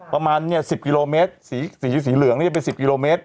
ประมาณเนี่ย๑๐กิโลเมตรสีสีสีเหลืองเนี่ยเป็น๑๐กิโลเมตร